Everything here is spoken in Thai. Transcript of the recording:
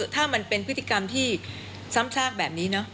ถ้ามันเป็นพฤติกรรมที่ซ้ำซากแบบนี้เนอะ